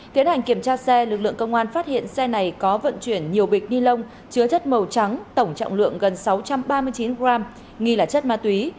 tiến hành kiểm tra xe lực lượng công an phát hiện xe này có vận chuyển nhiều bịch ni lông chứa chất màu trắng tổng trọng lượng gần sáu trăm ba mươi chín g nghi là chất ma túy